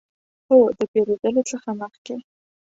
هو، د پیرودلو څخه مخکې